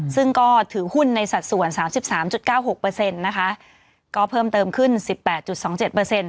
ซึ่งก็ถือหุ้นในสัดส่วน๓๓๙๖เปอร์เซ็นต์นะคะก็เพิ่มเติมขึ้น๑๘๒๗เปอร์เซ็นต์